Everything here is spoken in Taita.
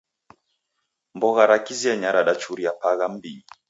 Mbogha ra Kizenya radachuria pagha mmbinyi